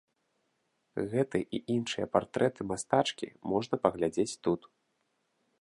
Гэты і іншыя партрэты мастачкі можна паглядзець тут.